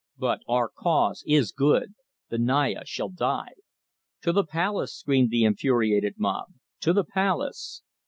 "But our cause is good. The Naya shall die!" "To the Palace!" screamed the infuriated mob. "To the Palace!"